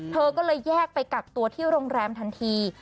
เธอก็เลยแยกไปกักตัวที่โรงแรมทันที